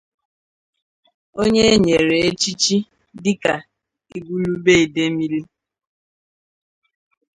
onye e nyere echichi dịka Igwulube Idemili